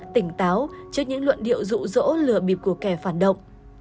tỉnh táo trước những luận điệu rụ rỗ lừa bịp của kẻ phản động